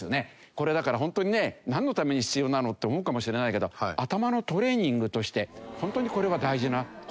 これだからホントにねなんのために必要なの？って思うかもしれないけど頭のトレーニングとしてホントにこれは大事な事になるんですよ。